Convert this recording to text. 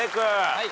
はい。